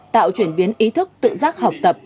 tạo chuyển biến ý thức tự giác học tập